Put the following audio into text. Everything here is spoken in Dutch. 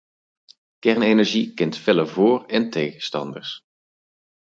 Kernenergie kent felle voor- en tegenstanders.